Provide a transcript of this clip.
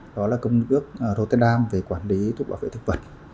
đó là công ước rotam về quản lý thuốc bảo vệ thực vật